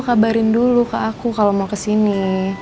kabarin dulu ke aku kalau mau kesini